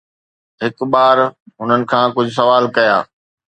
هڪ ٻار هنن کان ڪجهه سوال ڪيا